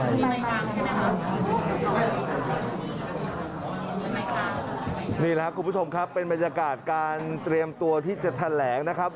นี่แหละครับคุณผู้ชมครับเป็นบรรยากาศการเตรียมตัวที่จะแถลงนะครับ